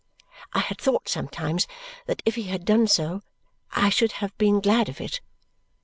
I had thought, sometimes, that if he had done so, I should have been glad of it.